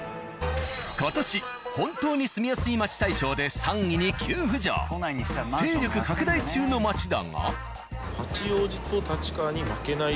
今年本当に住みやすい街大賞で３位に急浮上勢力拡大中の街だが。